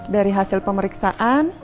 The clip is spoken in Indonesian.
dari hasil pemeriksaan